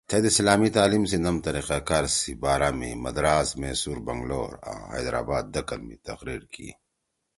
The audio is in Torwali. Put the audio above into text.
تھید اسلامی تعلیم سی نم طریقہ کار سی بارا می مدراس، میسور، بنگلور آں حیدرآباد دکن می تقریر کی